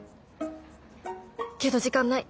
けど時間ない。